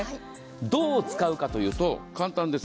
どう使うかというと簡単です。